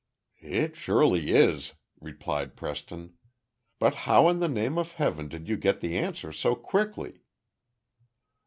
"It surely is," replied Preston. "But how in the name of Heaven did you get the answer so quickly?"